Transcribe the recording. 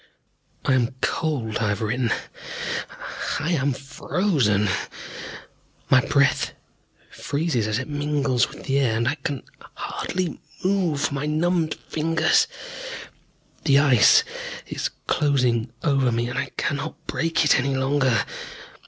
I am cold, I have written. Ah, I am frozen. My breath freezes as it mingles with the air, and I can hardly move my numbed fingers. The Ice is closing over me, and I cannot break it any longer.